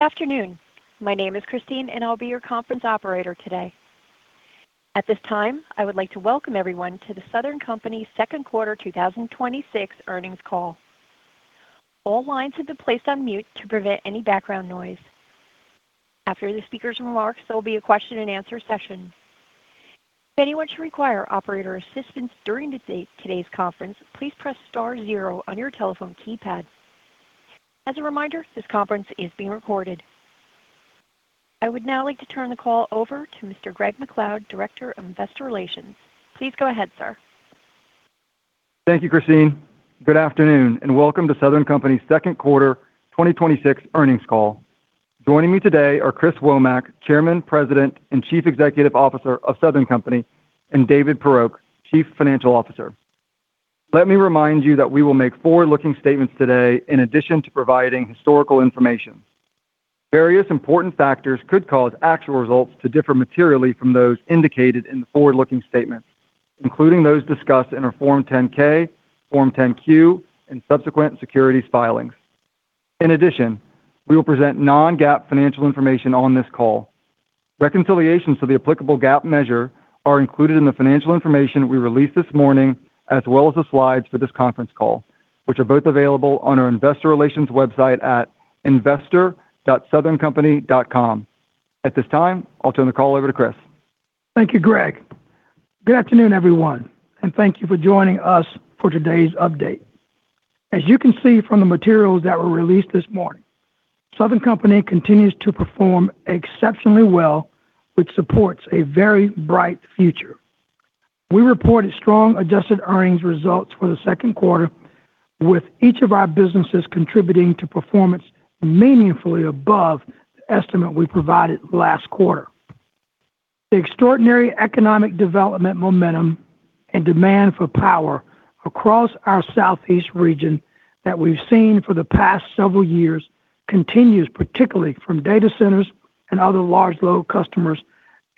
Good afternoon. My name is Christine and I'll be your conference operator today. At this time, I would like to welcome everyone to The Southern Company Second Quarter 2026 Earnings Call. All lines have been placed on mute to prevent any background noise. After the speaker's remarks, there will be a question-and-answer session. If anyone should require operator assistance during today's conference, please press star zero on your telephone keypad. As a reminder, this conference is being recorded. I would now like to turn the call over to Mr. Greg MacLeod, Director of Investor Relations. Please go ahead, sir. Thank you, Christine. Good afternoon, welcome to Southern Company Second Quarter 2026 Earnings Call. Joining me today are Chris Womack, Chairman, President, and Chief Executive Officer of Southern Company, and David Poroch, Chief Financial Officer. Let me remind you that we will make forward-looking statements today in addition to providing historical information. Various important factors could cause actual results to differ materially from those indicated in the forward-looking statements, including those discussed in our Form 10-K, Form 10-Q, and subsequent securities filings. In addition, we will present non-GAAP financial information on this call. Reconciliations to the applicable GAAP measure are included in the financial information we released this morning, as well as the slides for this conference call, which are both available on our investor relations website at investor.southerncompany.com. At this time, I'll turn the call over to Chris. Thank you, Greg. Good afternoon, everyone, thank you for joining us for today's update. As you can see from the materials that were released this morning, Southern Company continues to perform exceptionally well, which supports a very bright future. We reported strong adjusted earnings results for the second quarter with each of our businesses contributing to performance meaningfully above the estimate we provided last quarter. The extraordinary economic development momentum and demand for power across our southeast region that we've seen for the past several years continues particularly from data centers and other large load customers.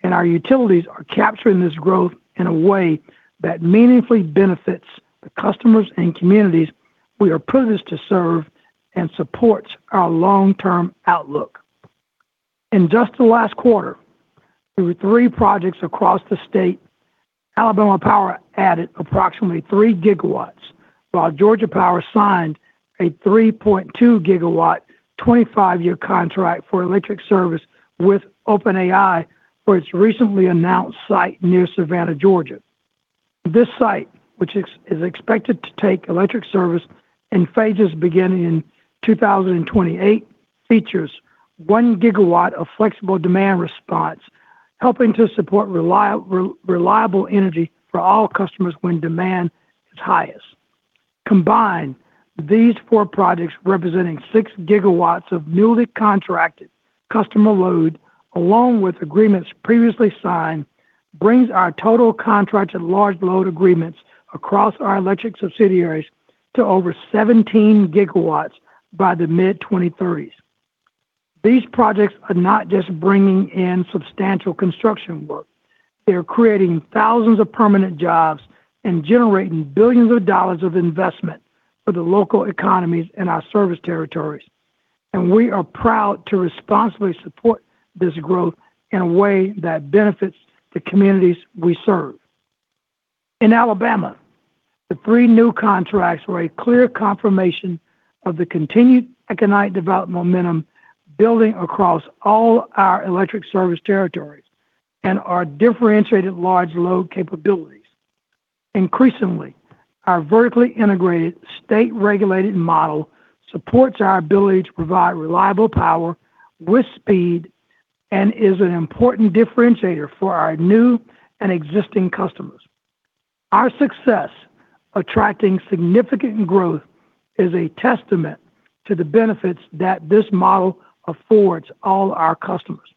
Our utilities are capturing this growth in a way that meaningfully benefits the customers and communities we are privileged to serve and supports our long-term outlook. In just the last quarter, through three projects across the state, Alabama Power added approximately three gigawatts, while Georgia Power signed a 3.2 gigawatt, 25-year contract for electric service with OpenAI for its recently announced site near Savannah, Georgia. This site, which is expected to take electric service in phases beginning in 2028, features one gigawatt of flexible demand response, helping to support reliable energy for all customers when demand is highest. Combined, these four projects, representing six gigawatts of newly contracted customer load, along with agreements previously signed, brings our total contracts and large load agreements across our electric subsidiaries to over 17 gigawatts by the mid-2030s. These projects are not just bringing in substantial construction work. They're creating thousands of permanent jobs and generating billions of dollars of investment for the local economies in our service territories. We are proud to responsibly support this growth in a way that benefits the communities we serve. In Alabama, the three new contracts were a clear confirmation of the continued economic development momentum building across all our electric service territories and our differentiated large load capabilities. Increasingly, our vertically integrated, state-regulated model supports our ability to provide reliable power with speed and is an important differentiator for our new and existing customers. Our success attracting significant growth is a testament to the benefits that this model affords all our customers.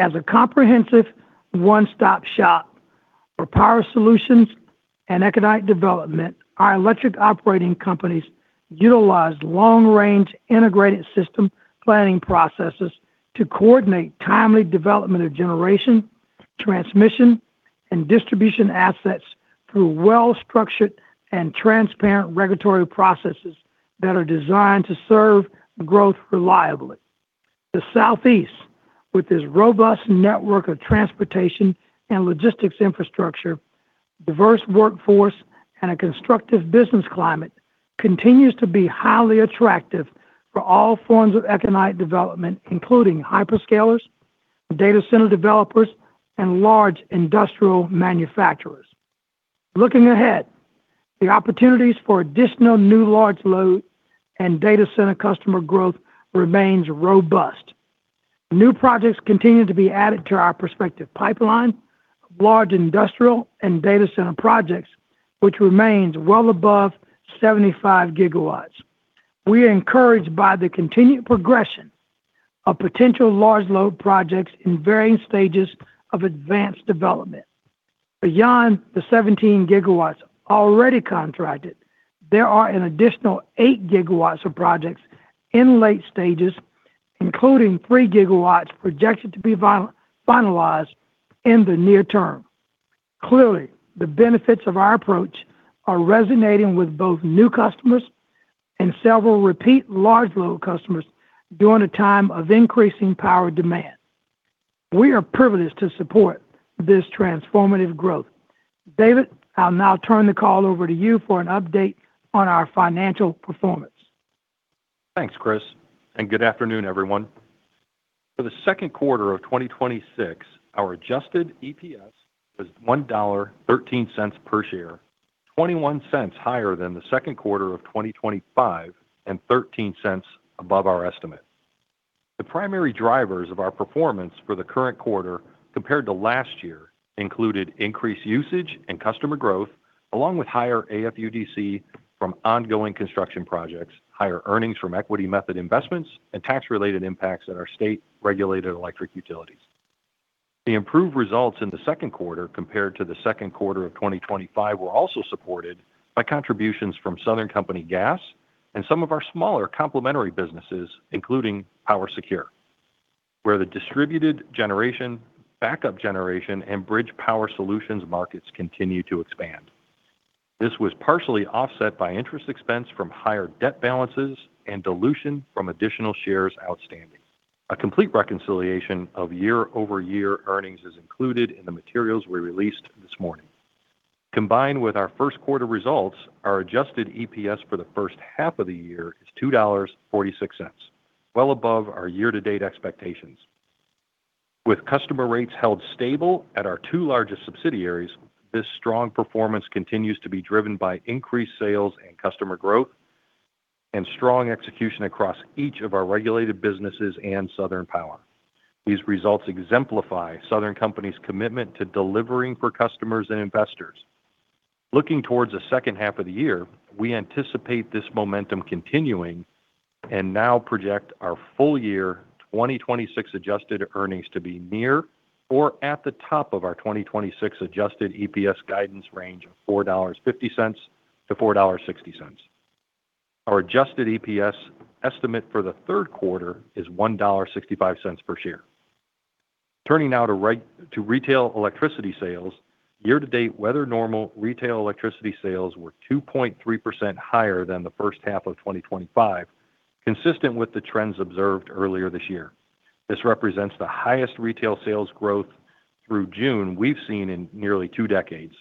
As a comprehensive one-stop shop for power solutions and economic development, our electric operating companies utilized long-range integrated system planning processes to coordinate timely development of generation, transmission, and distribution assets through well-structured and transparent regulatory processes that are designed to serve the growth reliably. The Southeast, with its robust network of transportation and logistics infrastructure, diverse workforce, and a constructive business climate, continues to be highly attractive for all forms of economic development, including hyperscalers, data center developers, and large industrial manufacturers. Looking ahead, the opportunities for additional new large load and data center customer growth remains robust. New projects continue to be added to our prospective pipeline, large industrial and data center projects, which remains well above 75 gigawatts. We are encouraged by the continued progression of potential large load projects in varying stages of advanced development. Beyond the 17 gigawatts already contracted, there are an additional 8 gigawatts of projects in late stages, including 3 gigawatts projected to be finalized in the near term. Clearly, the benefits of our approach are resonating with both new customers and several repeat large load customers during a time of increasing power demand. We are privileged to support this transformative growth. David, I'll now turn the call over to you for an update on our financial performance. Thanks, Chris. Good afternoon, everyone. For the second quarter of 2026, our adjusted EPS was $1.13 per share, $0.21 higher than the second quarter of 2025, and $0.13 above our estimate. The primary drivers of our performance for the current quarter compared to last year included increased usage and customer growth, along with higher AFUDC from ongoing construction projects, higher earnings from equity method investments, and tax-related impacts at our state-regulated electric utilities. The improved results in the second quarter compared to the second quarter of 2025 were also supported by contributions from Southern Company Gas and some of our smaller complementary businesses, including PowerSecure, where the distributed generation, backup generation, and bridge power solutions markets continue to expand. This was partially offset by interest expense from higher debt balances and dilution from additional shares outstanding. A complete reconciliation of year-over-year earnings is included in the materials we released this morning. Combined with our first quarter results, our adjusted EPS for the first half of the year is $2.46, well above our year-to-date expectations. With customer rates held stable at our two largest subsidiaries, this strong performance continues to be driven by increased sales and customer growth and strong execution across each of our regulated businesses and Southern Power. These results exemplify Southern Company's commitment to delivering for customers and investors. Looking towards the second half of the year, we anticipate this momentum continuing and now project our full year 2026 adjusted earnings to be near or at the top of our 2026 adjusted EPS guidance range of $4.50-$4.60. Our adjusted EPS estimate for the third quarter is $1.65 per share. Turning now to retail electricity sales. Year to date, weather normal retail electricity sales were 2.3% higher than the first half of 2025, consistent with the trends observed earlier this year. This represents the highest retail sales growth through June we've seen in nearly two decades.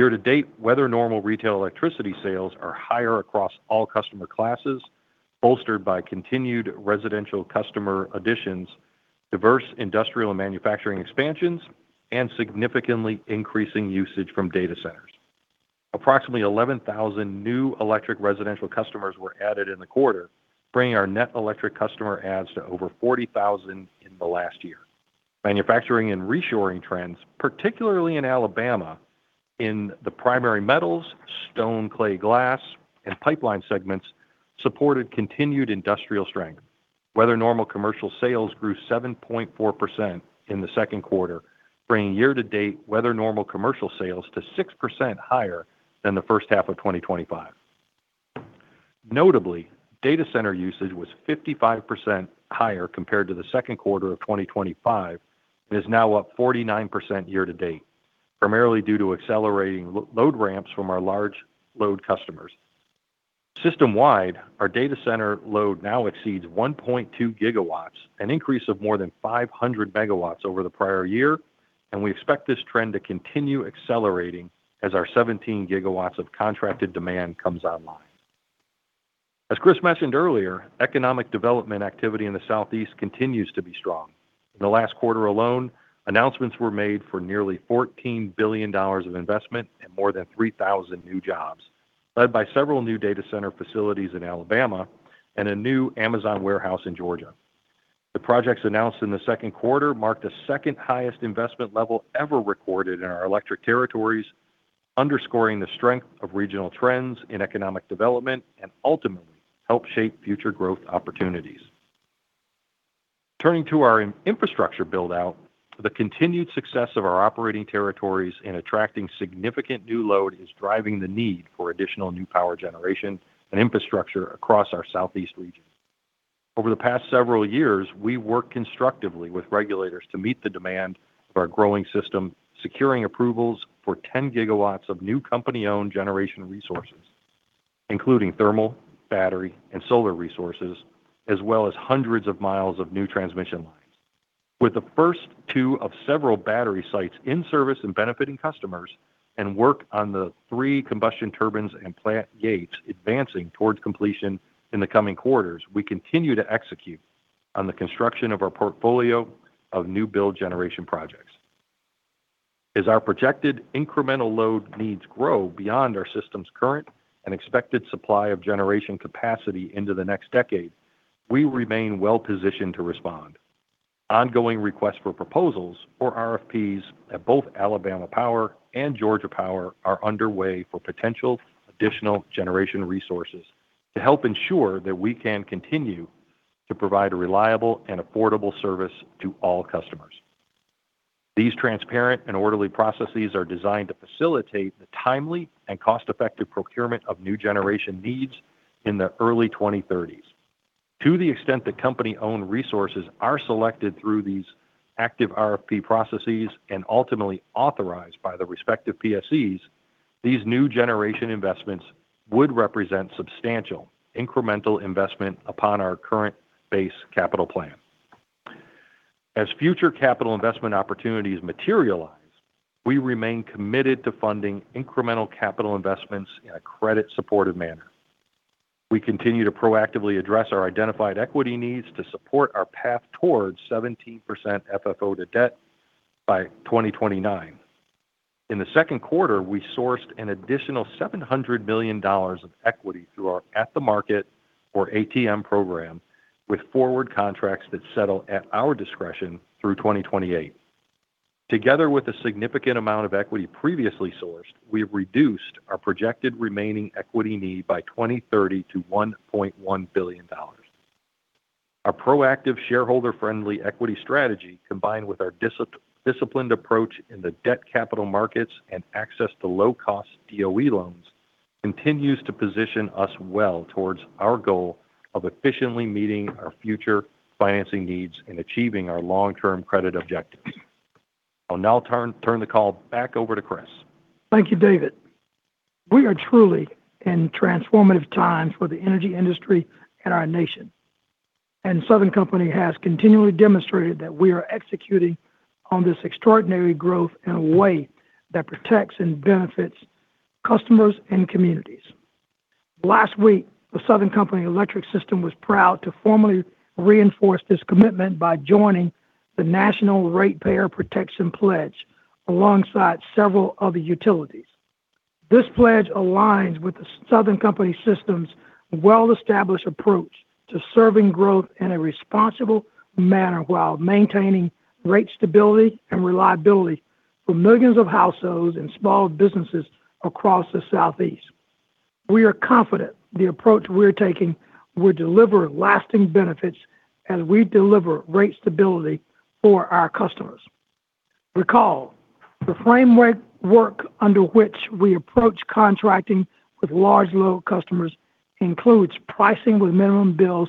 Year to date, weather normal retail electricity sales are higher across all customer classes, bolstered by continued residential customer additions, diverse industrial and manufacturing expansions, and significantly increasing usage from data centers. Approximately 11,000 new electric residential customers were added in the quarter, bringing our net electric customer adds to over 40,000 in the last year. Manufacturing and reshoring trends, particularly in Alabama in the primary metals, stone, clay, glass, and pipeline segments, supported continued industrial strength. Weather normal commercial sales grew 7.4% in the second quarter, bringing year-to-date weather normal commercial sales to 6% higher than the first half of 2025. Notably, data center usage was 55% higher compared to the second quarter of 2025 and is now up 49% year to date, primarily due to accelerating load ramps from our large load customers. System-wide, our data center load now exceeds 1.2 gigawatts, an increase of more than 500 megawatts over the prior year, and we expect this trend to continue accelerating as our 17 gigawatts of contracted demand comes online. As Chris mentioned earlier, economic development activity in the Southeast continues to be strong. In the last quarter alone, announcements were made for nearly $14 billion of investment and more than 3,000 new jobs, led by several new data center facilities in Alabama and a new Amazon warehouse in Georgia. The projects announced in the second quarter marked the second highest investment level ever recorded in our electric territories, underscoring the strength of regional trends in economic development and ultimately help shape future growth opportunities. Turning to our infrastructure build-out, the continued success of our operating territories in attracting significant new load is driving the need for additional new power generation and infrastructure across our Southeast region. Over the past several years, we worked constructively with regulators to meet the demand of our growing system, securing approvals for 10 gigawatts of new company-owned generation resources, including thermal, battery, and solar resources, as well as hundreds of miles of new transmission lines. With the first two of several battery sites in service and benefiting customers and work on the three combustion turbines and plant gates advancing towards completion in the coming quarters, we continue to execute on the construction of our portfolio of new build generation projects. As our projected incremental load needs grow beyond our system's current and expected supply of generation capacity into the next decade, we remain well positioned to respond. Ongoing requests for proposals for RFPs at both Alabama Power and Georgia Power are underway for potential additional generation resources to help ensure that we can continue to provide a reliable and affordable service to all customers. These transparent and orderly processes are designed to facilitate the timely and cost-effective procurement of new generation needs in the early 2030s. To the extent that company-owned resources are selected through these active RFP processes and ultimately authorized by the respective PSCs, these new generation investments would represent substantial incremental investment upon our current base capital plan. We continue to proactively address our identified equity needs to support our path towards 17% FFO to Debt by 2029. In the second quarter, we sourced an additional $700 million of equity through our at-the-market or ATM program with forward contracts that settle at our discretion through 2028. Together with a significant amount of equity previously sourced, we have reduced our projected remaining equity need by 2030 to $1.1 billion. Our proactive shareholder-friendly equity strategy, combined with our disciplined approach in the debt capital markets and access to low-cost DOE loans, continues to position us well towards our goal of efficiently meeting our future financing needs and achieving our long-term credit objectives. I'll now turn the call back over to Chris. Thank you, David. We are truly in transformative times for the energy industry and our nation, and Southern Company has continually demonstrated that we are executing on this extraordinary growth in a way that protects and benefits customers and communities. Last week, the Southern Company Electric system was proud to formally reinforce this commitment by joining the National Ratepayer Protection Pledge alongside several other utilities. This pledge aligns with the Southern Company system's well-established approach to serving growth in a responsible manner while maintaining rate stability and reliability for millions of households and small businesses across the Southeast. We are confident the approach we're taking will deliver lasting benefits as we deliver rate stability for our customers. Recall, the framework under which we approach contracting with large load customers includes pricing with minimum bills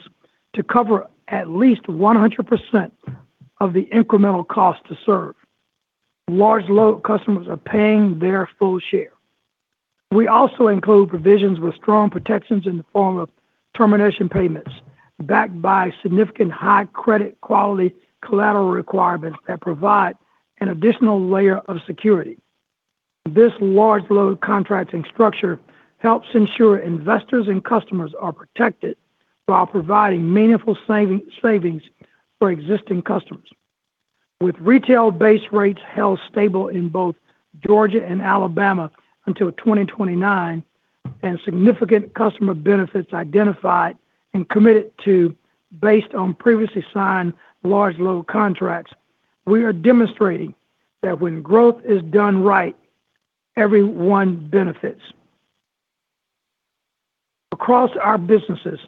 to cover at least 100% of the incremental cost to serve. Large load customers are paying their full share. We also include provisions with strong protections in the form of termination payments backed by significant high credit quality collateral requirements that provide an additional layer of security. This large load contracting structure helps ensure investors and customers are protected while providing meaningful savings for existing customers. With retail base rates held stable in both Georgia and Alabama until 2029 and significant customer benefits identified and committed to based on previously signed large load contracts, we are demonstrating that when growth is done right, everyone benefits. Across our businesses,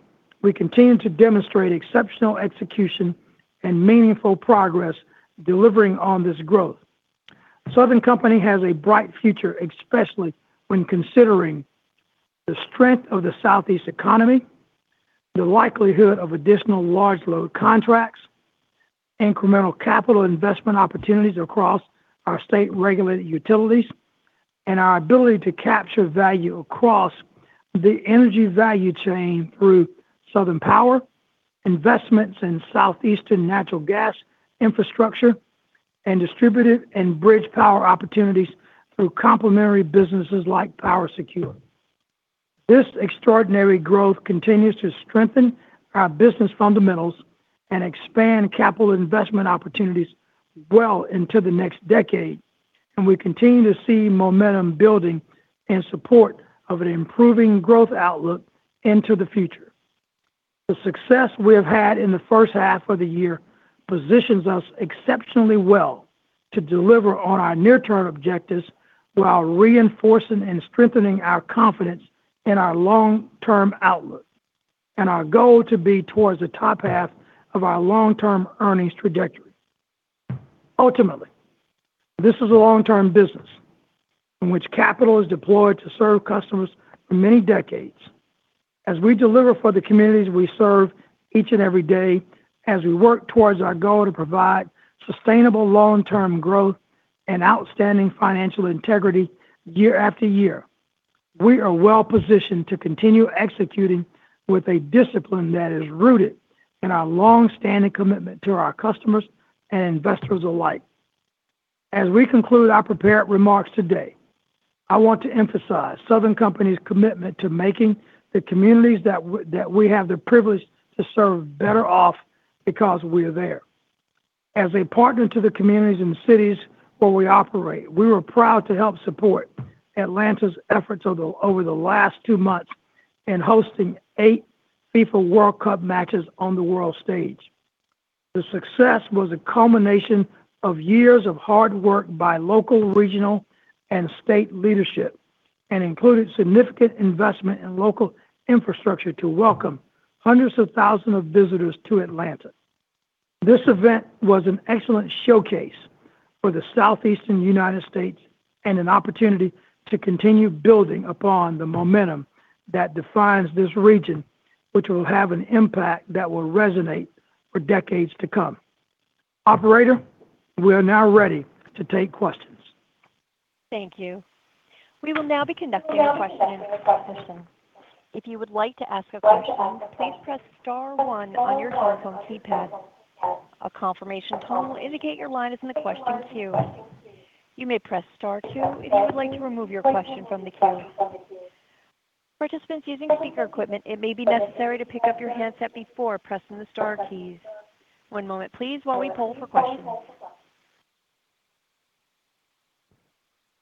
we continue to demonstrate exceptional execution and meaningful progress delivering on this growth. Southern Company has a bright future, especially when considering the strength of the Southeast economy, the likelihood of additional large load contracts, incremental capital investment opportunities across our state-regulated utilities, and our ability to capture value across the energy value chain through Southern Power, investments in Southeastern natural gas infrastructure, and distributed and bridge power opportunities through complementary businesses like PowerSecure. This extraordinary growth continues to strengthen our business fundamentals and expand capital investment opportunities well into the next decade. We continue to see momentum building in support of an improving growth outlook into the future. The success we have had in the first half of the year positions us exceptionally well to deliver on our near-term objectives while reinforcing and strengthening our confidence in our long-term outlook and our goal to be towards the top half of our long-term earnings trajectory. Ultimately, this is a long-term business in which capital is deployed to serve customers for many decades. As we deliver for the communities we serve each and every day, as we work towards our goal to provide sustainable long-term growth and outstanding financial integrity year after year, we are well-positioned to continue executing with a discipline that is rooted in our longstanding commitment to our customers and investors alike. As we conclude our prepared remarks today, I want to emphasize Southern Company's commitment to making the communities that we have the privilege to serve better off because we are there. As a partner to the communities and cities where we operate, we were proud to help support Atlanta's efforts over the last two months in hosting eight FIFA World Cup matches on the world stage. The success was a culmination of years of hard work by local, regional, and state leadership and included significant investment in local infrastructure to welcome hundreds of thousands of visitors to Atlanta. This event was an excellent showcase for the Southeastern U.S. and an opportunity to continue building upon the momentum that defines this region which will have an impact that will resonate for decades to come. Operator, we are now ready to take questions. Thank you. We will now be conducting questions-and-answer session. If you would like to ask a question, please press star one on your telephone keypad. A confirmation tone will indicate your line is in the question queue. You may press star two if you would like to remove your question from the queue. Participants using speaker equipment, it may be necessary to pick up your handset before pressing the star keys. One moment please while we poll for questions.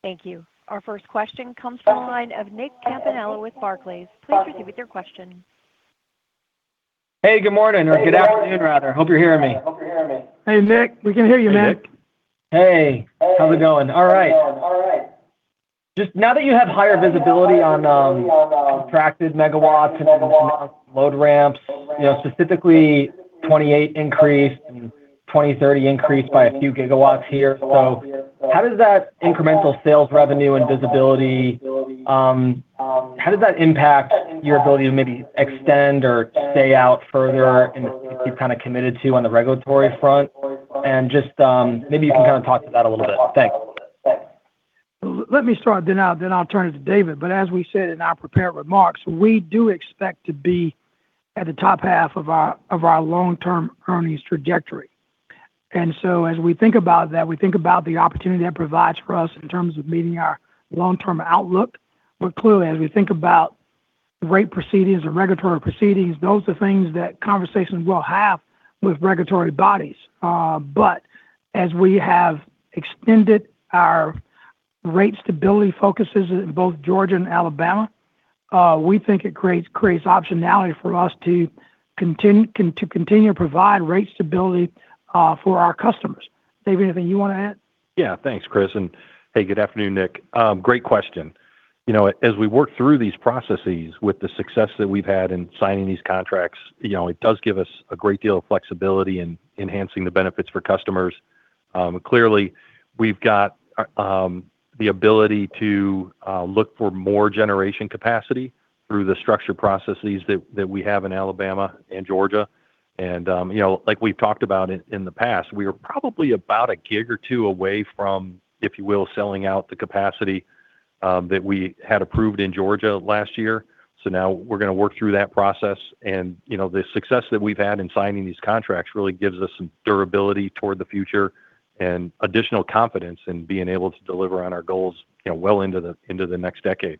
Thank you. Our first question comes from the line of Nick Campanella with Barclays. Please proceed with your question. Hey, good morning or good afternoon rather. Hope you're hearing me. Hey, Nick. We can hear you, Nick. Hey, Nick. Hey, how's it going? All right. Just now that you have higher visibility on contracted megawatts and load ramps, specifically 2028 increase and 2030 increase by a few gigawatts here. How does that incremental sales revenue and visibility, how does that impact your ability to maybe extend or stay out further and you've kind of committed to on the regulatory front? Just, maybe you can kind of talk to that a little bit. Thanks. Let me start then I'll turn it to David. As we said in our prepared remarks, we do expect to be at the top half of our long-term earnings trajectory. As we think about that, we think about the opportunity that provides for us in terms of meeting our long-term outlook. Clearly, as we think about rate proceedings or regulatory proceedings, those are things that conversations we'll have with regulatory bodies. As we have extended our rate stability focuses in both Georgia and Alabama, we think it creates optionality for us to continue to provide rate stability for our customers. Dave, anything you want to add? Yeah, thanks, Chris. Hey, good afternoon, Nick. Great question. As we work through these processes with the success that we've had in signing these contracts, it does give us a great deal of flexibility in enhancing the benefits for customers. Clearly, we've got the ability to look for more generation capacity through the structure processes that we have in Alabama and Georgia. Like we've talked about in the past, we are probably about a gig or two away from, if you will, selling out the capacity that we had approved in Georgia last year. Now we're going to work through that process and the success that we've had in signing these contracts really gives us some durability toward the future and additional confidence in being able to deliver on our goals well into the next decade.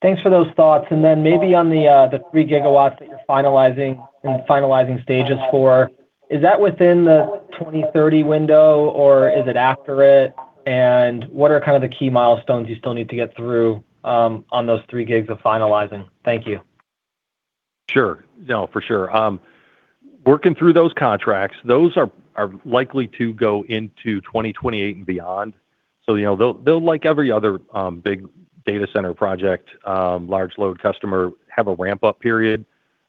Thanks for those thoughts. Maybe on the three gigawatts that you're finalizing stages for, is that within the 2030 window or is it after it? What are kind of the key milestones you still need to get through on those three gigs of finalizing? Thank you. Sure. No, for sure. Working through those contracts, those are likely to go into 2028 and beyond. They'll like every other big data center project, large load customer, have a ramp-up period.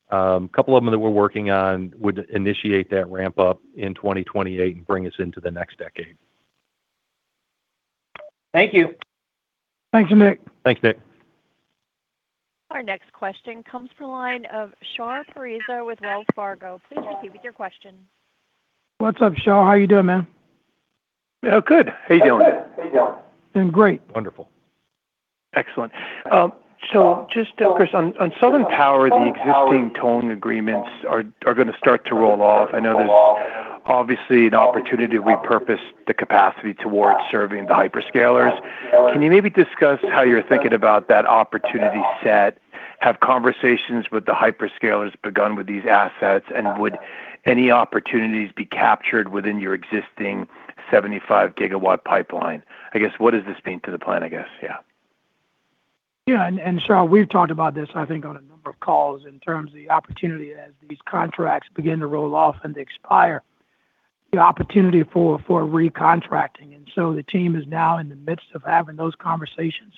Couple of them that we're working on would initiate that ramp up in 2028 and bring us into the next decade. Thank you. Thanks, Nick. Thanks, Nick. Our next question comes from the line of Shar Pourreza with Wells Fargo. Please proceed with your question. What's up, Shar? How are you doing, man? Good. How you doing? Doing great. Wonderful. Excellent. Just, Chris, on Southern Power, the existing tolling agreements are going to start to roll off. I know there's obviously an opportunity to repurpose the capacity towards serving the hyperscalers. Can you maybe discuss how you're thinking about that opportunity set? Have conversations with the hyperscalers begun with these assets? Would any opportunities be captured within your existing 75 gigawatt pipeline? I guess what does this mean to the plan, I guess? Yeah. Yeah, Shar, we've talked about this, I think, on a number of calls in terms of the opportunity as these contracts begin to roll off and expire, the opportunity for recontracting. The team is now in the midst of having those conversations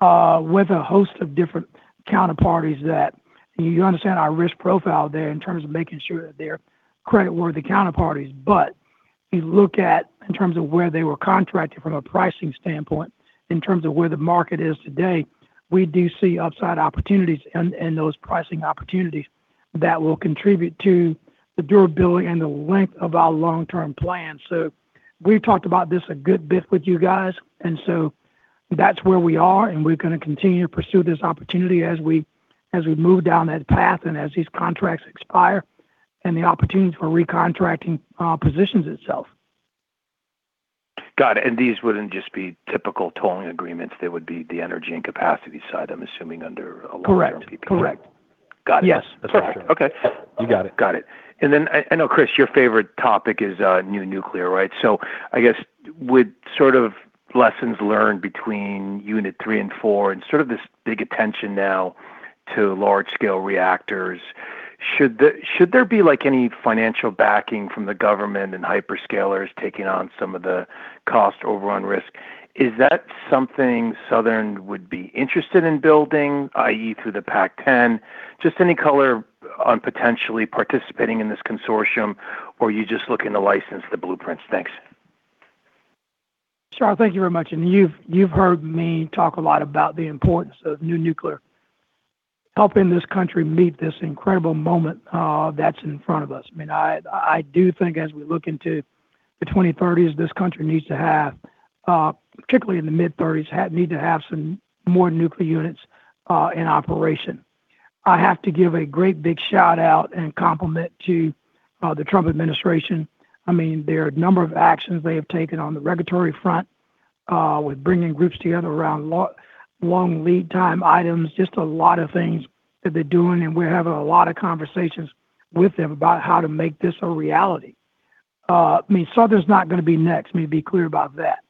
with a host of different counterparties that you understand our risk profile there in terms of making sure that they're creditworthy counterparties. We look at in terms of where they were contracted from a pricing standpoint, in terms of where the market is today, we do see upside opportunities and those pricing opportunities that will contribute to the durability and the length of our long-term plan. We've talked about this a good bit with you guys, that's where we are, and we're going to continue to pursue this opportunity as we move down that path as these contracts expire and the opportunities for recontracting positions itself. Got it. These wouldn't just be typical tolling agreements, they would be the energy and capacity side, I'm assuming under a long-term PPA. Correct. Got it. Yes. That's right. Okay. You got it. Got it. Then I know, Chris, your favorite topic is new nuclear, right? I guess with sort of lessons learned between unit three and four and sort of this big attention now to large scale reactors, should there be any financial backing from the government and hyperscalers taking on some of the cost overrun risk? Is that something Southern would be interested in building, i.e. through the AP1000? Just any color on potentially participating in this consortium, or you just looking to license the blueprints? Thanks. Shar, thank you very much. You've heard me talk a lot about the importance of new nuclear helping this country meet this incredible moment that's in front of us. I do think as we look into the 2030s, this country needs to have, particularly in the mid-30s, need to have some more nuclear units in operation. I have to give a great big shout-out and compliment to the Trump administration. There are a number of actions they have taken on the regulatory front with bringing groups together around long lead time items, just a lot of things that they're doing, and we're having a lot of conversations with them about how to make this a reality. Southern's not going to be next, let me be clear about that.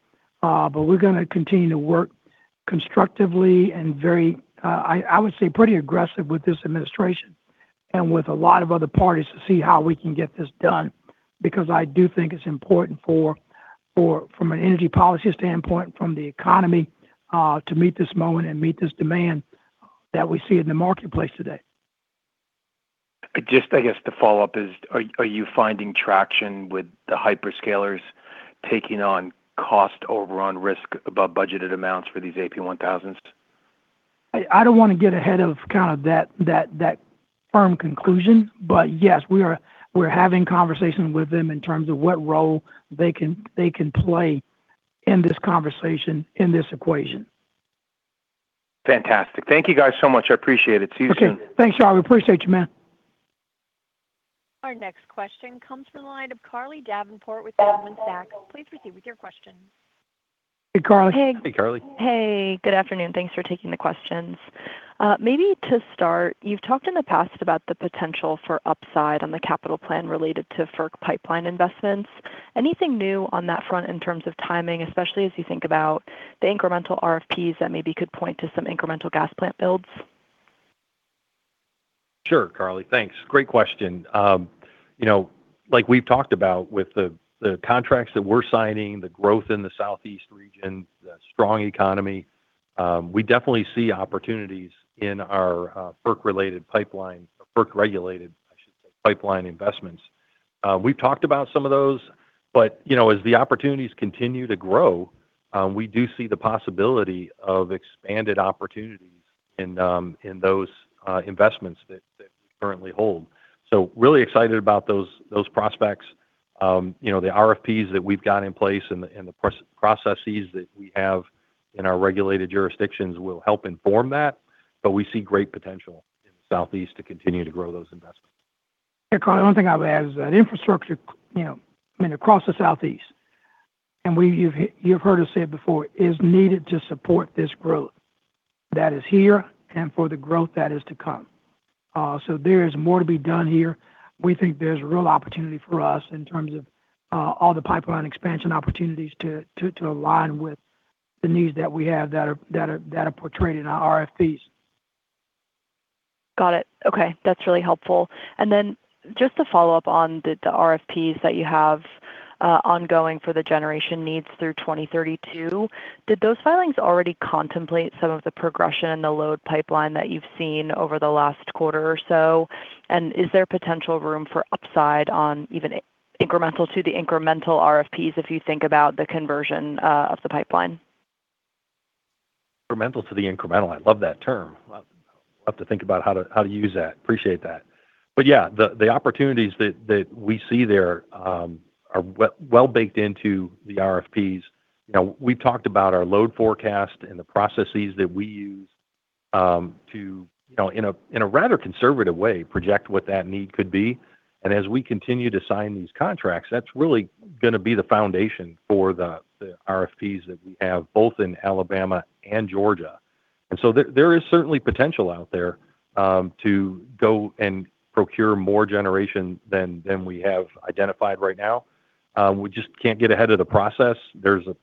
We're going to continue to work constructively and very, I would say, pretty aggressive with this administration and with a lot of other parties to see how we can get this done, because I do think it's important from an energy policy standpoint, from the economy, to meet this moment and meet this demand that we see in the marketplace today. I guess the follow-up is, are you finding traction with the hyperscalers taking on cost overrun risk above budgeted amounts for these AP1000s? I don't want to get ahead of that firm conclusion, but yes, we're having conversations with them in terms of what role they can play in this conversation, in this equation. Fantastic. Thank you guys so much. I appreciate it. See you soon. Okay. Thanks, Shar. We appreciate you, man. Our next question comes from the line of Carly Davenport with Goldman Sachs. Please proceed with your question. Hey, Carly. Hey, Carly. Hey, good afternoon. Thanks for taking the questions. Maybe to start, you've talked in the past about the potential for upside on the capital plan related to FERC pipeline investments. Anything new on that front in terms of timing, especially as you think about the incremental RFPs that maybe could point to some incremental gas plant builds? Sure, Carly. Thanks. Great question. Like we've talked about with the contracts that we're signing, the growth in the Southeast region, the strong economy, we definitely see opportunities in our FERC-related pipeline, or FERC-regulated, I should say, pipeline investments. We've talked about some of those. As the opportunities continue to grow, we do see the possibility of expanded opportunities in those investments that we currently hold. Really excited about those prospects. The RFPs that we've got in place and the processes that we have in our regulated jurisdictions will help inform that. We see great potential in the Southeast to continue to grow those investments. Yeah, Carly, one thing I would add is that infrastructure across the Southeast, you've heard us say it before, is needed to support this growth that is here and for the growth that is to come. There is more to be done here. We think there's real opportunity for us in terms of all the pipeline expansion opportunities to align with the needs that we have that are portrayed in our RFPs. Got it. Okay. That's really helpful. Just to follow up on the RFPs that you have ongoing for the generation needs through 2032, did those filings already contemplate some of the progression and the load pipeline that you've seen over the last quarter or so? Is there potential room for upside on even incremental to the incremental RFPs if you think about the conversion of the pipeline? Incremental to the incremental, I love that term. I'll have to think about how to use that. Appreciate that. Yeah, the opportunities that we see there are well-baked into the RFPs. We've talked about our load forecast and the processes that we use to, in a rather conservative way, project what that need could be. As we continue to sign these contracts, that's really going to be the foundation for the RFPs that we have, both in Alabama and Georgia. There is certainly potential out there to go and procure more generation than we have identified right now. We just can't get ahead of the process. There's a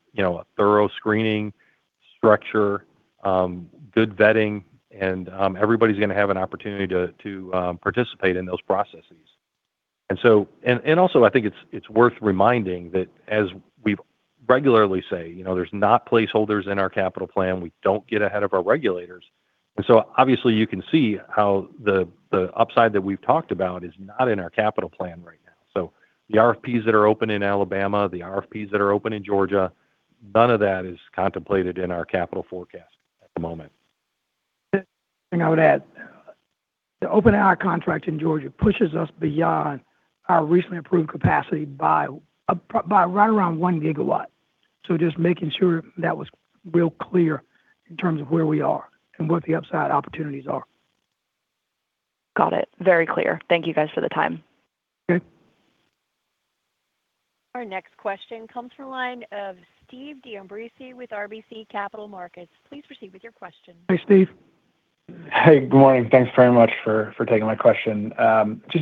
thorough screening structure, good vetting, and everybody's going to have an opportunity to participate in those processes. Also, I think it's worth reminding that as we regularly say, there's not placeholders in our capital plan. We don't get ahead of our regulators. Obviously you can see how the upside that we've talked about is not in our capital plan right now. The RFPs that are open in Alabama, the RFPs that are open in Georgia, none of that is contemplated in our capital forecast at the moment. The other thing I would add, to open our contract in Georgia pushes us beyond our recently approved capacity by right around one gigawatt. Just making sure that was real clear in terms of where we are and what the upside opportunities are. Got it. Very clear. Thank you guys for the time. Okay. Our next question comes from the line of Steve D'Ambrisi with RBC Capital Markets. Please proceed with your question. Hey, Steve. Hey, good morning. Thanks very much for taking my question.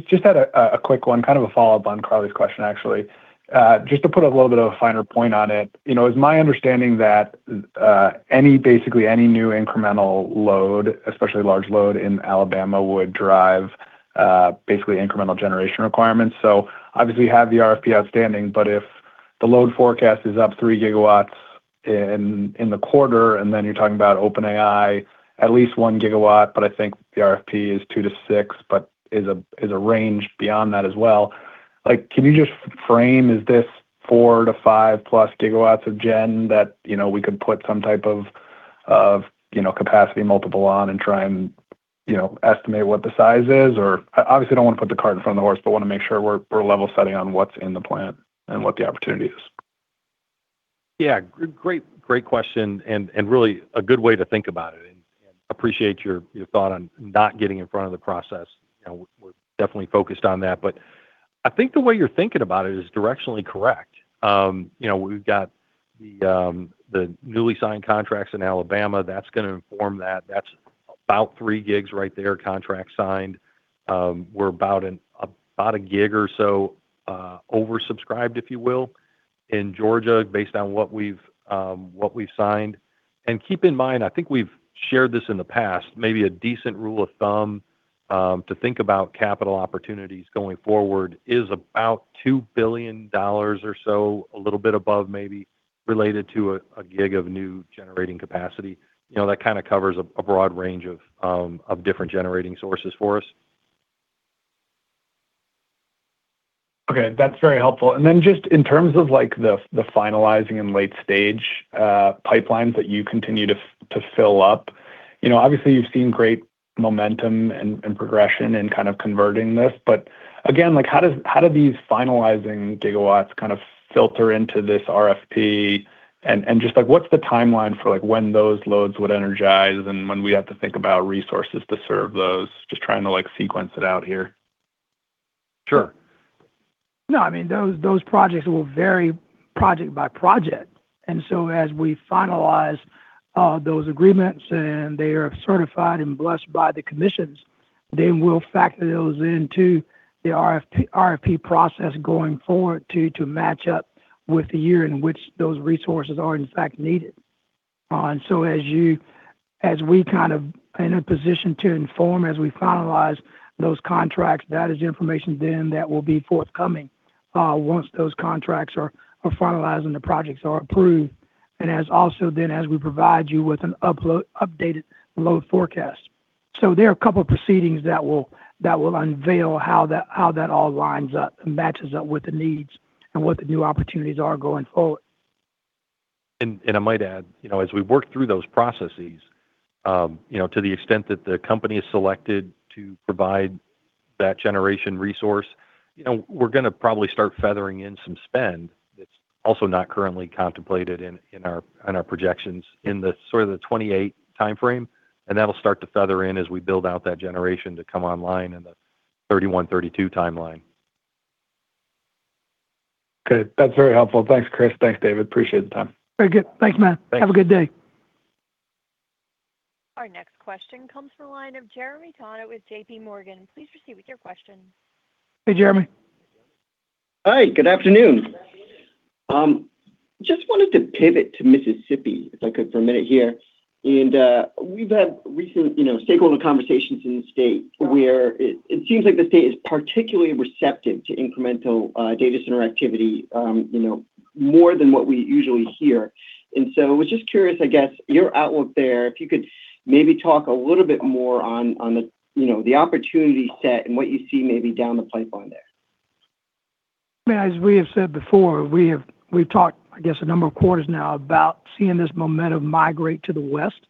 Just had a quick one, kind of a follow-up on Carly's question, actually. Just to put a little bit of a finer point on it. It's my understanding that basically any new incremental load, especially large load in Alabama, would drive basically incremental generation requirements. Obviously, you have the RFP outstanding, but if the load forecast is up 3 gigawatts in the quarter, and then you're talking about OpenAI at least 1 gigawatt, but I think the RFP is 2-6 but is a range beyond that as well. Can you just frame, is this 4-5+ gigawatts of gen that we could put some type of capacity multiple on and try and estimate what the size is? Obviously, I don't want to put the cart in front of the horse, but want to make sure we're level setting on what's in the plan and what the opportunity is. Yeah. Great question and really a good way to think about it, and appreciate your thought on not getting in front of the process. We're definitely focused on that. I think the way you're thinking about it is directionally correct. We've got the newly signed contracts in Alabama that's going to inform that. That's about three gigs right there, contract signed. We're about a gig or so oversubscribed, if you will, in Georgia based on what we've signed. Keep in mind, I think we've shared this in the past, maybe a decent rule of thumb to think about capital opportunities going forward is about $2 billion or so, a little bit above maybe, related to a gig of new generating capacity. That kind of covers a broad range of different generating sources for us. Okay. That's very helpful. Just in terms of the finalizing and late stage pipelines that you continue to fill up, obviously you've seen great momentum and progression in kind of converting this, again, how do these finalizing gigawatts kind of filter into this RFP? Just what's the timeline for when those loads would energize and when we have to think about resources to serve those? Just trying to sequence it out here. Sure. I mean, those projects will vary project by project, as we finalize those agreements and they are certified and blessed by the commissions, we'll factor those into the RFP process going forward to match up with the year in which those resources are in fact needed. As we kind of are in a position to inform as we finalize those contracts, that is information that will be forthcoming once those contracts are finalized and the projects are approved, as also as we provide you with an updated load forecast. There are a couple proceedings that will unveil how that all lines up and matches up with the needs and what the new opportunities are going forward. I might add, as we work through those processes, to the extent that the company is selected to provide that generation resource, we're going to probably start feathering in some spend that's also not currently contemplated in our projections in the sort of the 2028 timeframe, that'll start to feather in as we build out that generation to come online in the 2031, 2032 timeline. Okay. That's very helpful. Thanks, Chris. Thanks, David. Appreciate the time. Very good. Thanks, man. Thanks. Have a good day. Our next question comes from the line of Jeremy Tonet with JPMorgan. Please proceed with your question. Hey, Jeremy. Hi, good afternoon. Just wanted to pivot to Mississippi, if I could, for a minute here. We've had recent stakeholder conversations in the state where it seems like the state is particularly receptive to incremental data center activity, more than what we usually hear. So I was just curious, I guess, your outlook there, if you could maybe talk a little bit more on the opportunity set and what you see maybe down the pipeline there. As we have said before, we've talked, I guess, a number of quarters now about seeing this momentum migrate to the West,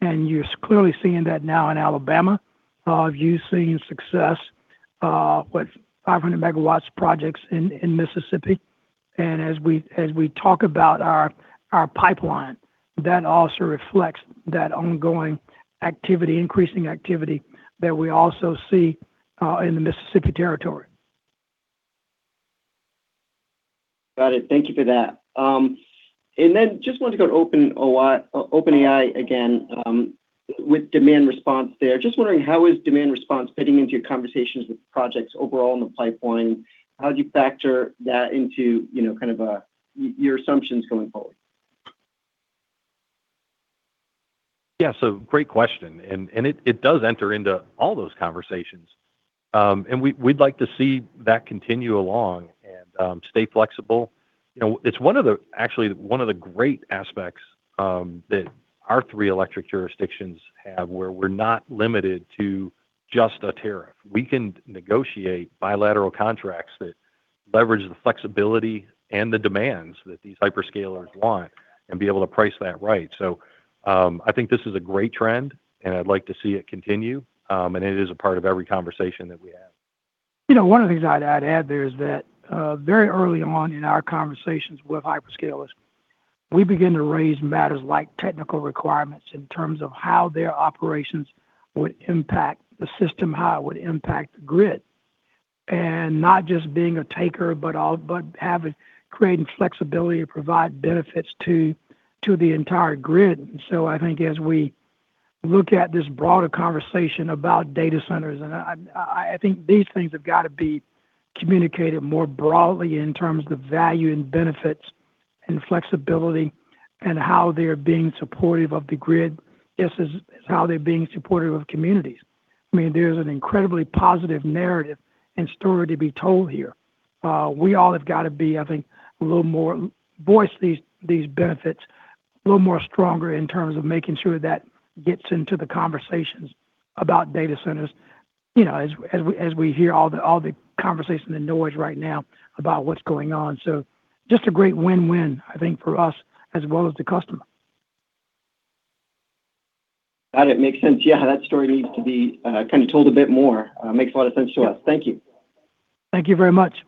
and you're clearly seeing that now in Alabama. You've seen success with 500 megawatts projects in Mississippi. As we talk about our pipeline, that also reflects that ongoing activity, increasing activity that we also see in the Mississippi territory. Got it. Thank you for that. Then just wanted to go to OpenAI again with demand response there. Just wondering, how is demand response fitting into your conversations with projects overall in the pipeline? How do you factor that into kind of your assumptions going forward? Great question. It does enter into all those conversations. We'd like to see that continue along and stay flexible. It's actually one of the great aspects that our three electric jurisdictions have where we're not limited to just a tariff. We can negotiate bilateral contracts that leverage the flexibility and the demands that these hyperscalers want and be able to price that right. I think this is a great trend. I'd like to see it continue. It is a part of every conversation that we have. One of the things I'd add there is that very early on in our conversations with hyperscalers, we begin to raise matters like technical requirements in terms of how their operations would impact the system, how it would impact the grid. Not just being a taker, but creating flexibility to provide benefits to the entire grid. I think as we look at this broader conversation about data centers, I think these things have got to be communicated more broadly in terms of the value and benefits and flexibility and how they're being supportive of the grid as is how they're being supportive of communities. There's an incredibly positive narrative and story to be told here. We all have got to be, I think, voice these benefits a little more stronger in terms of making sure that gets into the conversations about data centers, as we hear all the conversation and noise right now about what's going on. Just a great win-win, I think, for us as well as the customer. Got it. Makes sense. That story needs to be told a bit more. Makes a lot of sense to us. Thank you. Thank you very much.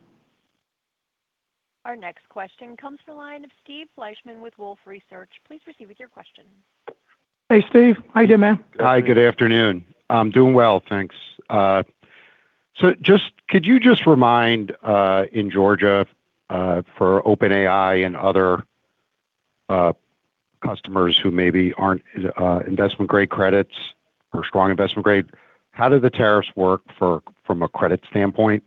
Our next question comes from the line of Steve Fleishman with Wolfe Research. Please proceed with your question. Hey, Steve. How you doing, man? Hi, good afternoon. I'm doing well, thanks. Could you just remind, in Georgia, for OpenAI and other customers who maybe aren't investment-grade credits or strong investment-grade, how do the tariffs work from a credit standpoint?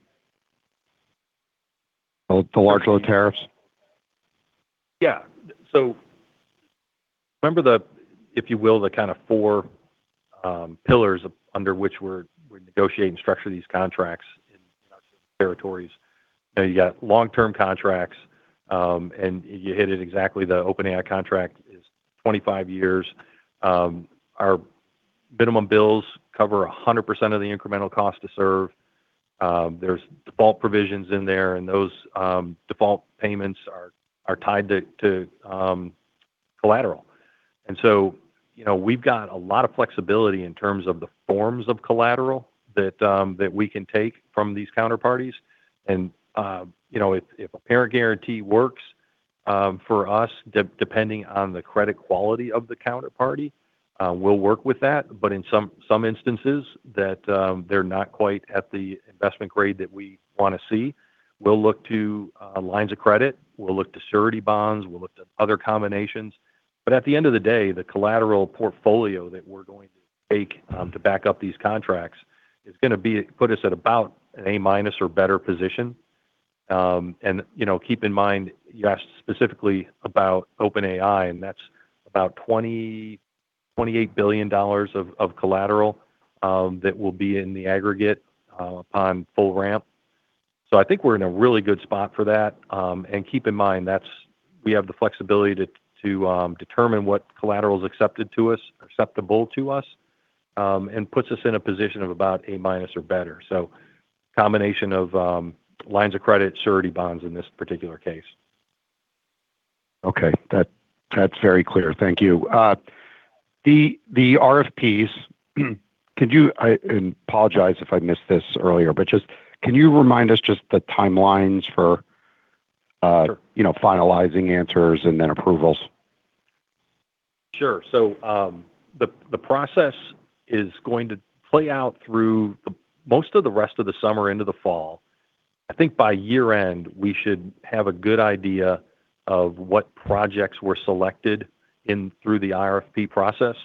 The large load tariffs. Yeah. Remember the, if you will, the kind of four pillars under which we're negotiating structure these contracts in our territories. You got long-term contracts, and you hit it exactly, the OpenAI contract is 25 years. Our minimum bills cover 100% of the incremental cost to serve. There's default provisions in there, and those default payments are tied to collateral. We've got a lot of flexibility in terms of the forms of collateral that we can take from these counterparties. If a parent guarantee works, for us, depending on the credit quality of the counterparty, we'll work with that. In some instances that they're not quite at the investment grade that we want to see, we'll look to lines of credit, we'll look to surety bonds, we'll look to other combinations. At the end of the day, the collateral portfolio that we're going to take to back up these contracts is going to put us at about an A-minus or better position. Keep in mind, you asked specifically about OpenAI, and that's about $28 billion of collateral that will be in the aggregate upon full ramp. I think we're in a really good spot for that. Keep in mind, we have the flexibility to determine what collateral is acceptable to us, and puts us in a position of about A-minus or better. Combination of lines of credit, surety bonds in this particular case. Okay. That's very clear. Thank you. The RFPs, and I apologize if I missed this earlier, but just can you remind us just the timelines for finalizing answers and then approvals? The process is going to play out through most of the rest of the summer into the fall. I think by year-end, we should have a good idea of what projects were selected through the RFP process.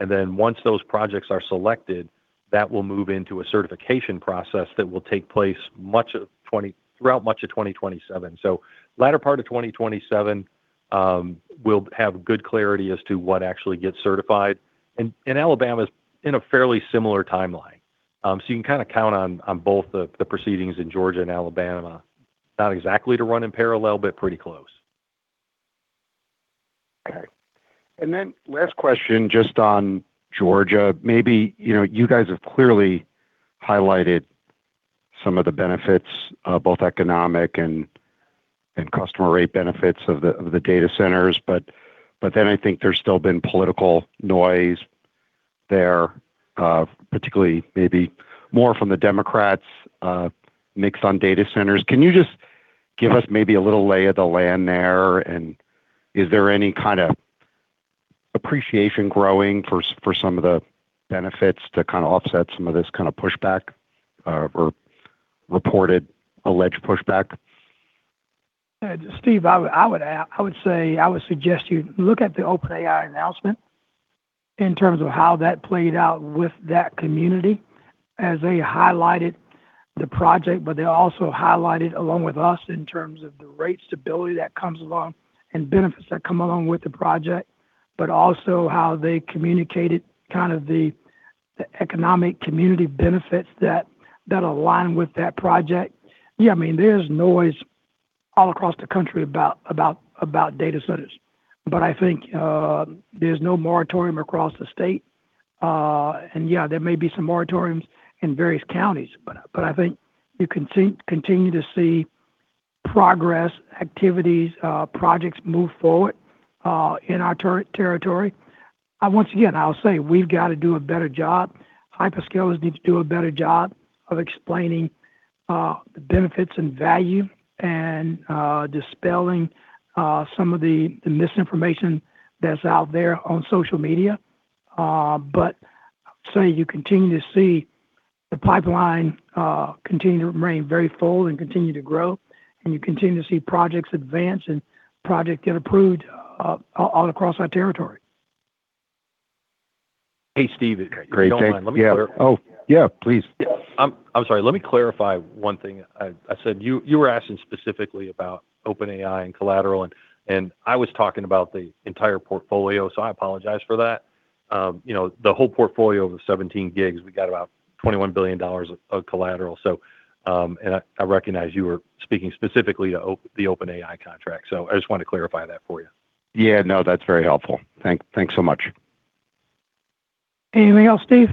Once those projects are selected, that will move into a certification process that will take place throughout much of 2027. Latter part of 2027, we'll have good clarity as to what actually gets certified. Alabama's in a fairly similar timeline. You can count on both the proceedings in Georgia and Alabama, not exactly to run in parallel, but pretty close. Okay. Last question, just on Georgia. Maybe you guys have clearly highlighted some of the benefits, both economic and customer rate benefits of the data centers. I think there's still been political noise there, particularly maybe more from the Democrats mixed on data centers. Can you just give us maybe a little lay of the land there? Is there any kind of appreciation growing for some of the benefits to offset some of this kind of pushback or reported alleged pushback? Steve, I would suggest you look at the OpenAI announcement in terms of how that played out with that community as they highlighted the project, they also highlighted along with us in terms of the rate stability that comes along and benefits that come along with the project, also how they communicated the economic community benefits that align with that project. There's noise all across the country about data centers, I think there's no moratorium across the state. There may be some moratoriums in various counties, I think you continue to see progress, activities, projects move forward in our territory. Once again, I'll say we've got to do a better job. Hyperscalers need to do a better job of explaining the benefits and value and dispelling some of the misinformation that's out there on social media. I'd say you continue to see the pipeline continue to remain very full and continue to grow, and you continue to see projects advance and project get approved all across our territory. Hey, Steve. Great, thanks. If you don't mind, let me clarify. Oh, yeah, please. I'm sorry. Let me clarify one thing. I said you were asking specifically about OpenAI and collateral, and I was talking about the entire portfolio, so I apologize for that. The whole portfolio of the 17 gigs, we got about $21 billion of collateral. I recognize you were speaking specifically to the OpenAI contract, so I just wanted to clarify that for you. No, that's very helpful. Thanks so much. Anything else, Steve?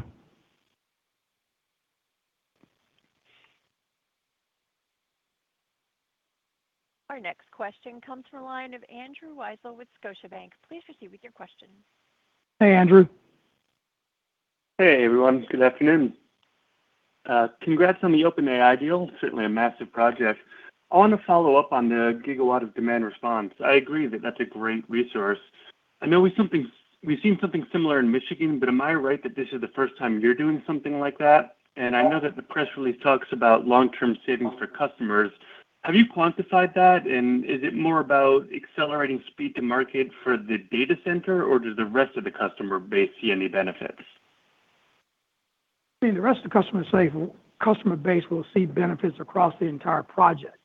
Our next question comes from the line of Andrew Weisel with Scotiabank. Please proceed with your question. Hey, Andrew. Hey, everyone. Good afternoon. Congrats on the OpenAI deal. Certainly a massive project. I want to follow up on the gigawatt of demand response. I agree that that's a great resource. I know we've seen something similar in Michigan, but am I right that this is the first time you're doing something like that? I know that the press release talks about long-term savings for customers. Have you quantified that? Is it more about accelerating speed to market for the data center, or does the rest of the customer base see any benefits? The rest of the customer base will see benefits across the entire project.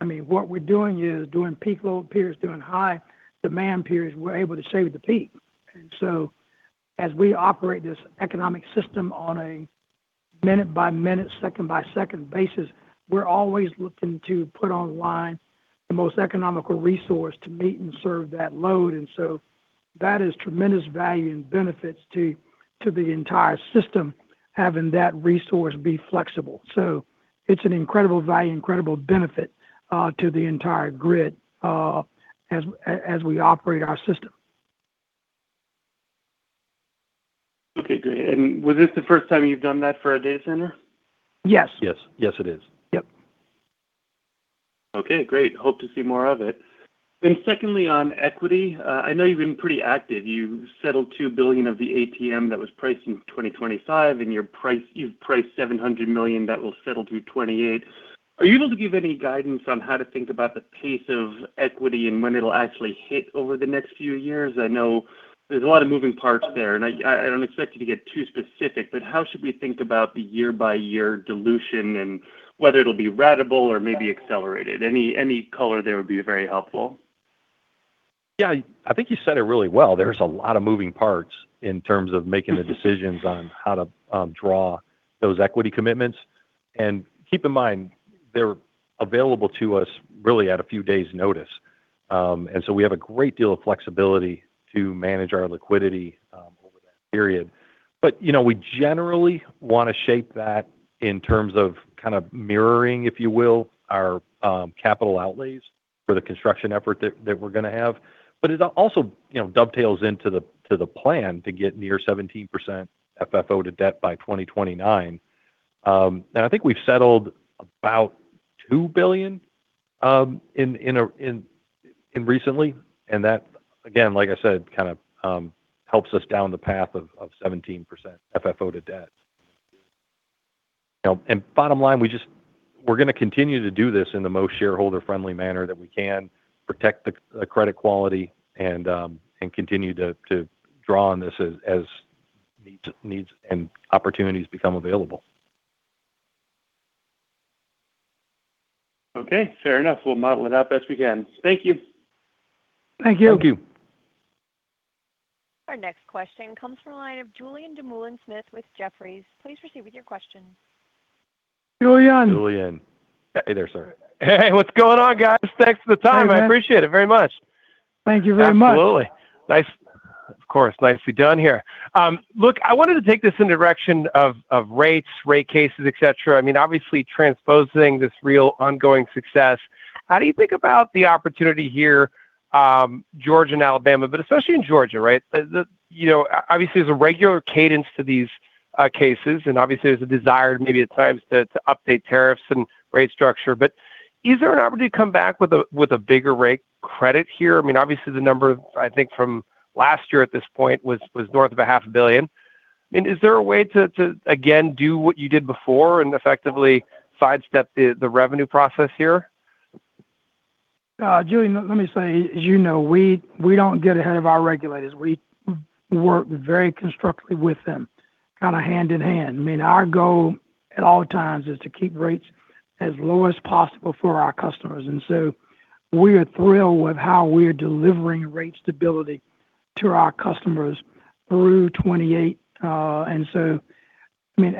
What we're doing is during peak load periods, during high demand periods, we're able to shave the peak. As we operate this economic system on a minute-by-minute, second-by-second basis, we're always looking to put online the most economical resource to meet and serve that load. That is tremendous value and benefits to the entire system, having that resource be flexible. It's an incredible value, incredible benefit to the entire grid as we operate our system. Okay, great. Was this the first time you've done that for a data center? Yes. Yes. Yes, it is. Yep. Okay, great. Hope to see more of it. Secondly, on equity, I know you've been pretty active. You settled $2 billion of the ATM that was priced in 2025, and you've priced $700 million that will settle through 2028. Are you able to give any guidance on how to think about the pace of equity and when it'll actually hit over the next few years? I know there's a lot of moving parts there, and I don't expect you to get too specific, but how should we think about the year-by-year dilution and whether it'll be ratable or maybe accelerated? Any color there would be very helpful. Yeah. I think you said it really well. There's a lot of moving parts in terms of making the decisions on how to draw those equity commitments. Keep in mind, they're available to us really at a few days notice. So we have a great deal of flexibility to manage our liquidity over that period. We generally want to shape that in terms of kind of mirroring, if you will, our capital outlays for the construction effort that we're going to have. It also dovetails into the plan to get near 17% FFO to Debt by 2029. I think we've settled about $2 billion in recently, and that, again, like I said, kind of helps us down the path of 17% FFO to Debt. Bottom line, we're going to continue to do this in the most shareholder-friendly manner that we can, protect the credit quality, and continue to draw on this as needs and opportunities become available. Okay, fair enough. We'll model it out best we can. Thank you. Thank you. Thank you. Our next question comes from the line of Julien Dumoulin-Smith with Jefferies. Please proceed with your question. Julien. Julien. Hey there, sir. Hey, what's going on, guys? Thanks for the time. Hey, man. I appreciate it very much. Thank you very much. Absolutely. Of course. Nicely done here. Look, I wanted to take this in the direction of rates, rate cases, et cetera. Obviously transposing this real ongoing success, how do you think about the opportunity here, Georgia and Alabama, but especially in Georgia, right? Obviously, there's a regular cadence to these cases, and obviously there's a desire maybe at times to update tariffs and rate structure. Is there an opportunity to come back with a bigger rate credit here? Obviously the number, I think from last year at this point was north of a half a billion. Is there a way to, again, do what you did before and effectively sidestep the revenue process here? Julien, let me say, as you know, we don't get ahead of our regulators. We work very constructively with them, kind of hand in hand. Our goal at all times is to keep rates as low as possible for our customers. We are thrilled with how we are delivering rate stability to our customers through 2028.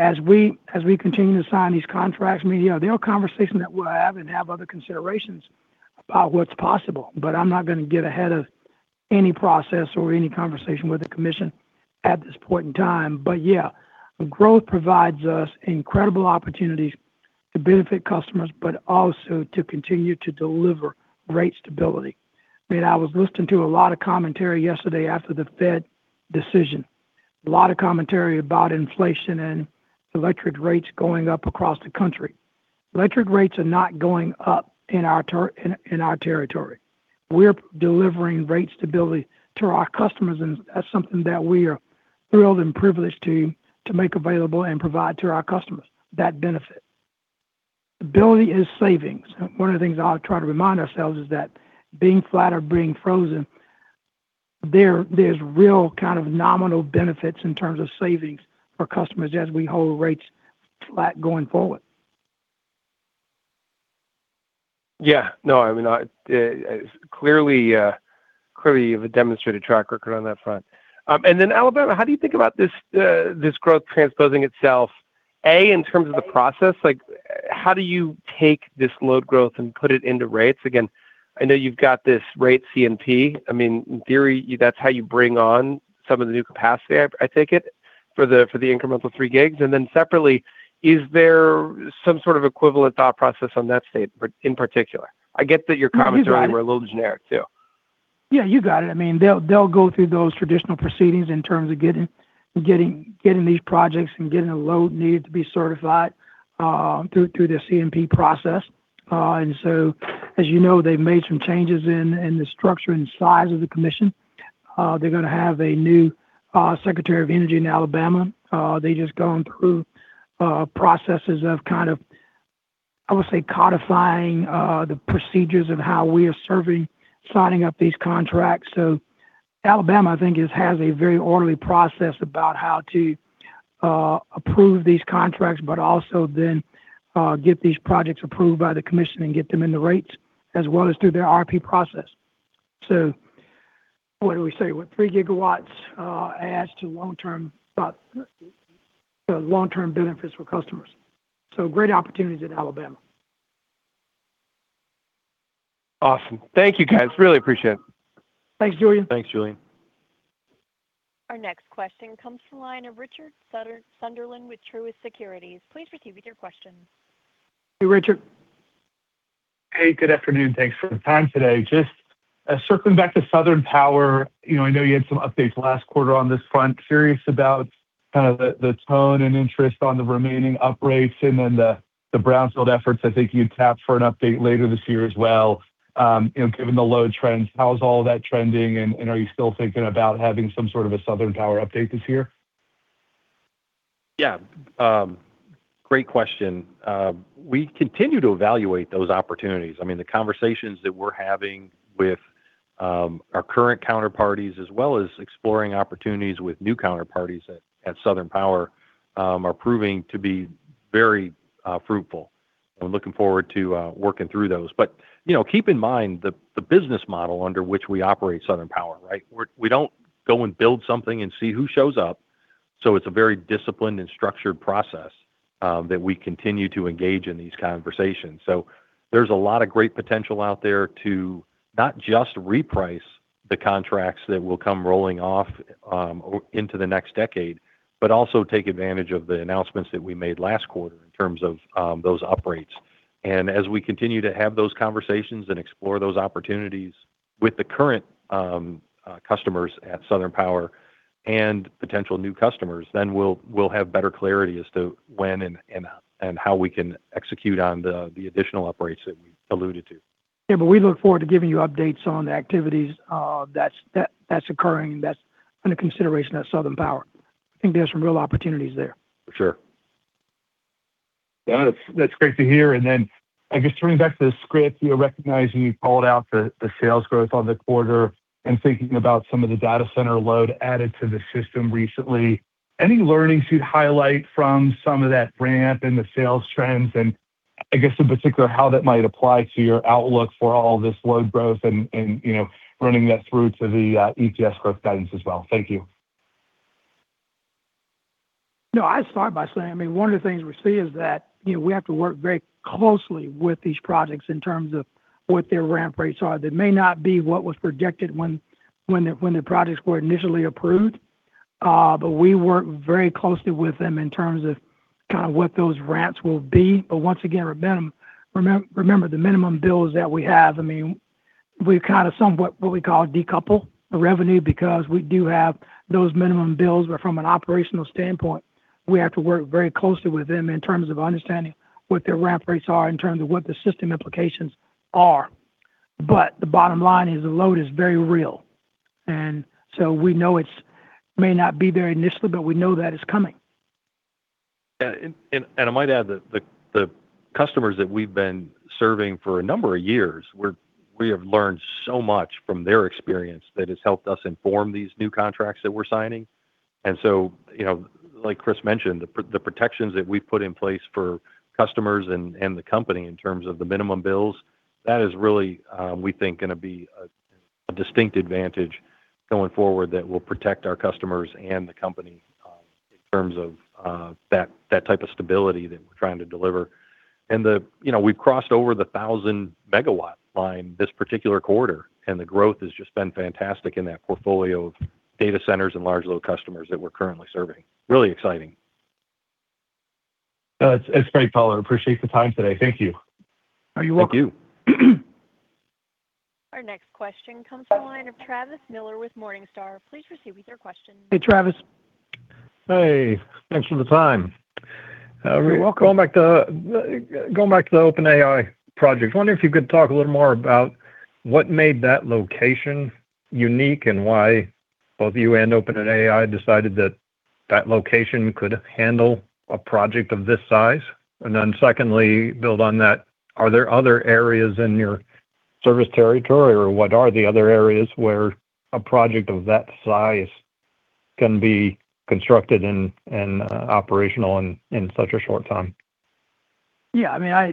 As we continue to sign these contracts, there are conversations that we'll have and have other considerations about what's possible. I'm not going to get ahead of any process or any conversation with the commission at this point in time. Yeah, growth provides us incredible opportunities to benefit customers, but also to continue to deliver rate stability. I was listening to a lot of commentary yesterday after the Fed decision, a lot of commentary about inflation and electric rates going up across the country. Electric rates are not going up in our territory. We're delivering rate stability to our customers, that's something that we are thrilled and privileged to make available and provide to our customers, that benefit. Ability is savings. One of the things I try to remind ourselves is that being flat or being frozen, there's real kind of nominal benefits in terms of savings for customers as we hold rates flat going forward. Yeah. No, clearly you have a demonstrated track record on that front. Alabama, how do you think about this growth transposing itself, A, in terms of the process? How do you take this load growth and put it into rates? I know you've got this Rate CNP. In theory, that's how you bring on some of the new capacity, I take it, for the incremental three gigs. Separately, is there some sort of equivalent thought process on that state in particular? I get that your comments- No, you got it. Were a little generic, too. Yeah, you got it. They'll go through those traditional proceedings in terms of getting these projects and getting a load need to be certified through the CNP process. As you know, they've made some changes in the structure and size of the commission. They're going to have a new secretary of energy in Alabama. They've just gone through processes of, I would say, codifying the procedures of how we are serving signing up these contracts. Alabama, I think, has a very orderly process about how to approve these contracts, but also then get these projects approved by the commission and get them in the rates as well as through their IRP process. What do we say? What 3 gigawatts adds to long-term benefits for customers. Great opportunities in Alabama. Awesome. Thank you, guys. Really appreciate it. Thanks, Julien. Thanks, Julien. Our next question comes from the line of Richard Sunderland with Truist Securities. Please proceed with your questions. Hey, Richard. Hey, good afternoon. Thanks for the time today. Just circling back to Southern Power. I know you had some updates last quarter on this front. Curious about the tone and interest on the remaining uprates and then the Brownfield efforts. I think you tapped for an update later this year as well given the load trends. How is all that trending, and are you still thinking about having some sort of a Southern Power update this year? Yeah. Great question. We continue to evaluate those opportunities. The conversations that we're having with our current counterparties, as well as exploring opportunities with new counterparties at Southern Power, are proving to be very fruitful. I'm looking forward to working through those. Keep in mind the business model under which we operate Southern Power, right? We don't go and build something and see who shows up. It's a very disciplined and structured process that we continue to engage in these conversations. There's a lot of great potential out there to not just reprice the contracts that will come rolling off into the next decade but also take advantage of the announcements that we made last quarter in terms of those uprates. As we continue to have those conversations and explore those opportunities with the current customers at Southern Power and potential new customers, we'll have better clarity as to when and how we can execute on the additional uprates that we alluded to. Yeah. We look forward to giving you updates on the activities that's occurring, that's under consideration at Southern Power. I think there's some real opportunities there. For sure. Yeah. That's great to hear. Then I guess turning back to the script, you're recognizing you called out the sales growth on the quarter and thinking about some of the data center load added to the system recently. Any learnings you'd highlight from some of that ramp and the sales trends? I guess in particular, how that might apply to your outlook for all this load growth and running that through to the EPS growth guidance as well. Thank you. No, I'd start by saying, one of the things we see is that we have to work very closely with these projects in terms of what their ramp rates are. They may not be what was projected when the projects were initially approved, we work very closely with them in terms of what those ramps will be. Once again, remember the minimum bills that we have. We've kind of somewhat what we call decouple the revenue because we do have those minimum bills. From an operational standpoint, we have to work very closely with them in terms of understanding what their ramp rates are, in terms of what the system implications are. The bottom line is the load is very real. So, we know it may not be there initially, but we know that it's coming. Yeah. I might add that the customers that we've been serving for a number of years, we have learned so much from their experience that has helped us inform these new contracts that we're signing. Like Chris mentioned, the protections that we've put in place for customers and the company in terms of the minimum bills, that is really, we think, going to be a distinct advantage going forward that will protect our customers and the company in terms of that type of stability that we're trying to deliver. We've crossed over the thousand-megawatt line this particular quarter, and the growth has just been fantastic in that portfolio of data centers and large load customers that we're currently serving. Really exciting. That's great, fellas. I appreciate the time today. Thank you. You're welcome. Thank you. Our next question comes from the line of Travis Miller with Morningstar. Please proceed with your question. Hey, Travis. Hey, thanks for the time. You're welcome. Going back to the OpenAI project, I wonder if you could talk a little more about what made that location unique and why both you and OpenAI decided that, that location could handle a project of this size? Secondly, build on that, are there other areas in your service territory, or what are the other areas where a project of that size can be constructed and operational in such a short time? Yeah.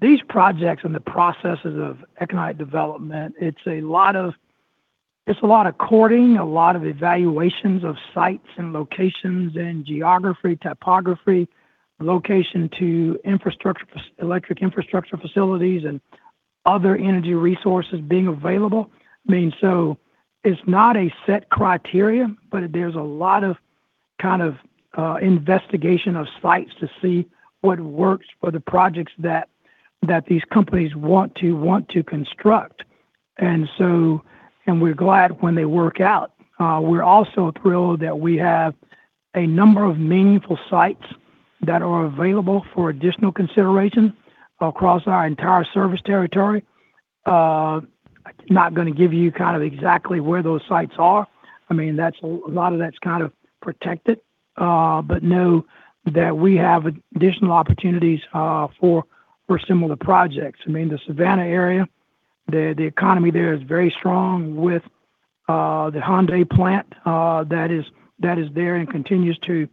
These projects and the processes of economic development, it's a lot of courting, a lot of evaluations of sites and locations and geography, topography, location to electric infrastructure facilities, and other energy resources being available. It's not a set criteria, but there's a lot of investigation of sites to see what works for the projects that these companies want to construct. We're glad when they work out. We're also thrilled that we have a number of meaningful sites that are available for additional consideration across our entire service territory. I'm not going to give you exactly where those sites are. A lot of that's protected but know that we have additional opportunities for similar projects. The Savannah area, the economy there is very strong with the Hyundai plant that is there and continues to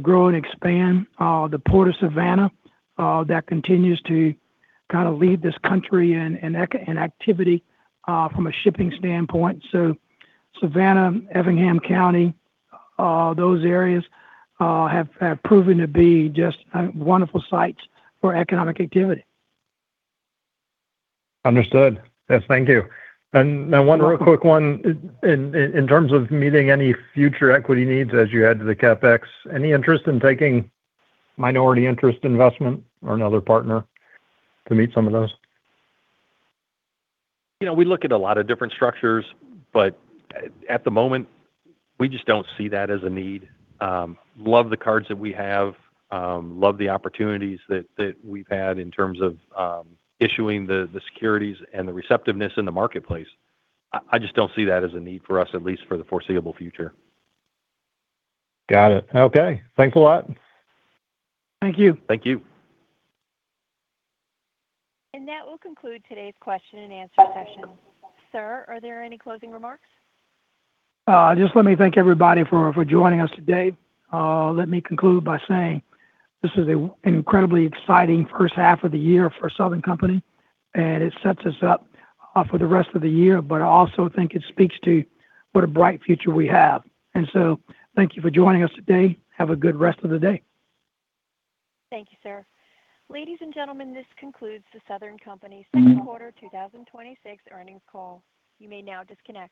grow and expand. The Port of Savannah, that continues to lead this country in activity from a shipping standpoint. Savannah, Effingham County, those areas have proven to be just wonderful sites for economic activity. Understood. Yes, thank you. Now one real quick one. In terms of meeting any future equity needs as you add to the CapEx, any interest in taking minority interest investment or another partner to meet some of those? We look at a lot of different structures, at the moment, we just don't see that as a need. Love the cards that we have, love the opportunities that we've had in terms of issuing the securities and the receptiveness in the marketplace. I just don't see that as a need for us, at least for the foreseeable future. Got it. Okay. Thanks a lot. Thank you. Thank you. That will conclude today's question-and-answer session. Sir, are there any closing remarks? Just let me thank everybody for joining us today. Let me conclude by saying this is an incredibly exciting first half of the year for Southern Company, and it sets us up for the rest of the year, but I also think it speaks to what a bright future we have. Thank you for joining us today. Have a good rest of the day. Thank you, sir. Ladies and gentlemen, this concludes the Southern Company second quarter 2026 earnings call. You may now disconnect.